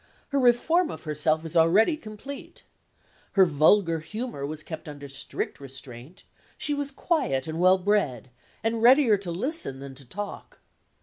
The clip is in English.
Her reform of herself is already complete. Her vulgar humor was kept under strict restraint; she was quiet and well bred, and readier to listen than to talk.